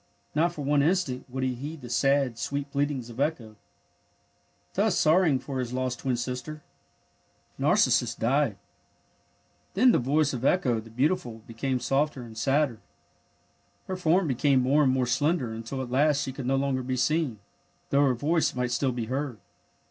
Not for one instant would he heed the sad, sweet pleadings of Echo. Thus, sorrowing for his lost twin sister, Nar 28 THE NARCISSUS AND TULIP cissus died. Then the voice of Echo, the beau tiful, became softer and sadder. Her form became more and more slender mitil at last she could no longer be seen, though her voice might still be heard.